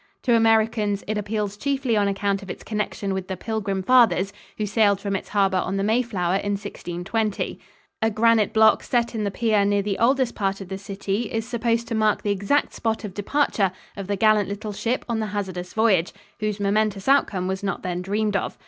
To Americans it appeals chiefly on account of its connection with the Pilgrim Fathers, who sailed from its harbor on the Mayflower in 1620. A granite block set in the pier near the oldest part of the city is supposed to mark the exact spot of departure of the gallant little ship on the hazardous voyage, whose momentous outcome was not then dreamed of.